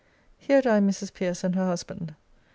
Here dined Mrs. Pierce and her husband.